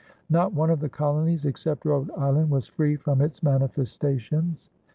Not one of the colonies, except Rhode Island, was free from its manifestations.